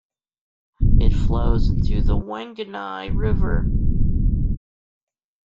It flows into the Wanganui River.